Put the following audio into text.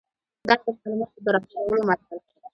دا د معلوماتو د راټولولو مرحله ده.